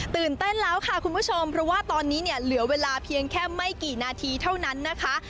ตื่นเต้นแล้วค่ะคุณผู้ชมเพราะว่าตอนนี้เนี่ยเหลือเวลาเพียงแค่ไม่กี่นาทีเท่านั้นนะคะ